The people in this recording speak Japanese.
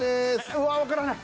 うわわからない。